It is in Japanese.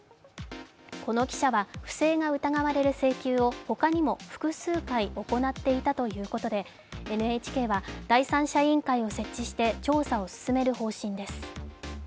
この記者は不正が疑われる請求を他にも複数回行っていたということで、ＮＨＫは第三者委員会を設置して調査を進める方針です。